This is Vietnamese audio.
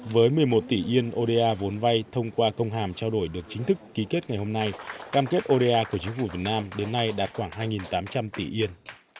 với một mươi một tỷ yên oda vốn vay thông qua công hàm trao đổi được chính thức ký kết ngày hôm nay cam kết oda của chính phủ việt nam đến nay đạt khoảng hai tám trăm linh tỷ yên